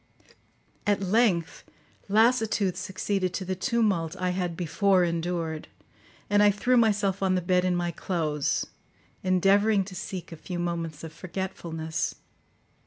At length lassitude succeeded to the tumult I had before endured, and I threw myself on the bed in my clothes, endeavouring to seek a few moments of forgetfulness.